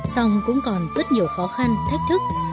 sông cũng còn rất nhiều khó khăn thách thức